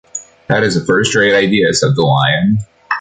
"That is a first rate idea," said the Lion.